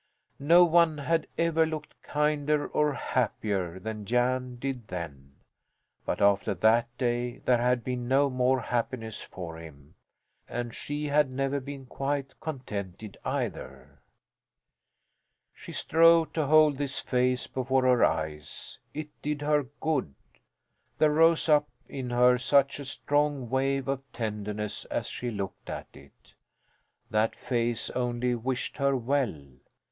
No one had ever looked kinder or happier than Jan did then. But after that day there had been no more happiness for him, and she had never been quite contented either. She strove to hold this face before her eyes. It did her good. There rose up in her such a strong wave of tenderness as she looked at it! That face only wished her well.